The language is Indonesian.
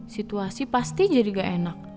situasi pasti jadi gak enak